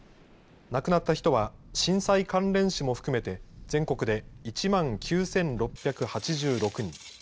亡くなった人は震災関連死も含めて、全国で１万９６８６人。